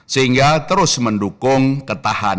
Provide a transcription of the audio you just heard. sehingga terus mendukung ketahanan